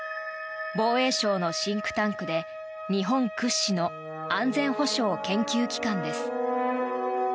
防衛省のシンクタンクで日本屈指の安全保障研究機関です。